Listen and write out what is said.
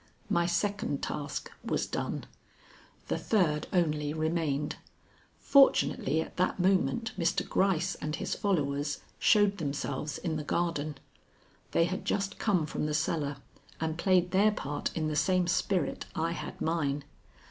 My second task was done. The third only remained. Fortunately at that moment Mr. Gryce and his followers showed themselves in the garden. They had just come from the cellar and played their part in the same spirit I had mine.